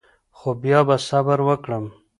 خو بیا به صبر وکړم.